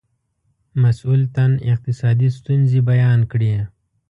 مسئول تن اقتصادي ستونزې بیان کړې.